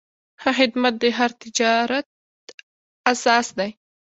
ښه خدمت د هر تجارت اساس دی.